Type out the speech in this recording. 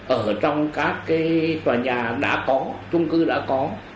ở trong các cái tòa nhà đã có trung cư đã có